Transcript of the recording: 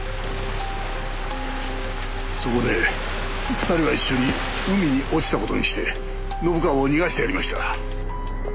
そこで２人は一緒に海に落ちた事にして信川を逃がしてやりました。